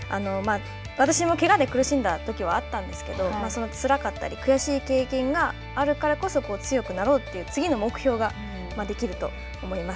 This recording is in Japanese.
私もけがで苦しんだときはあったんですけれども、つらかったり悔しい経験があるからこそ強くなろうという、次の目標ができると思います。